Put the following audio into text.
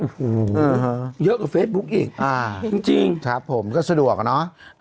อื้อหูเยอะกว่าเฟซบุ๊กอีกอ่าจริงจริงครับผมก็สะดวกอ่ะเนอะ